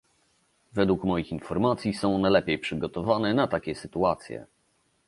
Według moich informacji są one lepiej przygotowane na takie sytuacje